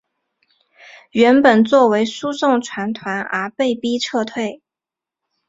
原本作为输送船团而被逼撤退。